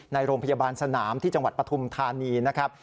โรงพยาบาลสนามที่จังหวัดปฐุมธานีนะครับ